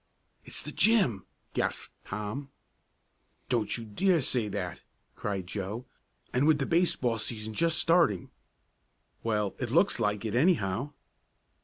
"It's the gym!" gasped Tom. "Don't you dare say that!" cried Joe, "and with the baseball season just starting." "Well, it looks like it anyhow."